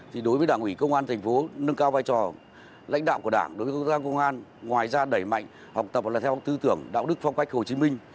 thì đối với đảng ủy công an thành phố nâng cao vai trò lãnh đạo của đảng đối với công an công an ngoài ra đẩy mạnh học tập và là theo tư tưởng đạo đức phong cách hồ chí minh